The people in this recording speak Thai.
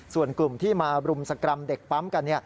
ส่วนกลุ่มที่มารุมสกรรมเด็กปั๊มกัน